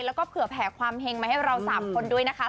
แล้วก็เผื่อแผ่ความเฮงมาให้เรา๓คนด้วยนะคะ